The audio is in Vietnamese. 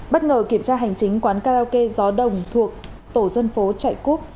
bất ngờ kiểm tra hành chính quán karaoke gió đồng thuộc tổ dân phố trại cúc